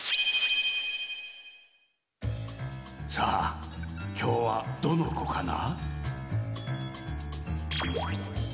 さあきょうはどのこかな？